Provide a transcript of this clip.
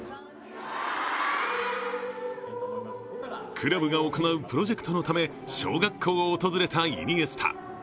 クラブが行うプロジェクトのため小学校を訪れたイニエスタ。